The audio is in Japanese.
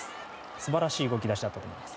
素晴らしい動き出しだと思います。